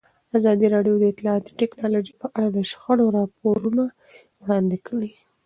ازادي راډیو د اطلاعاتی تکنالوژي په اړه د شخړو راپورونه وړاندې کړي.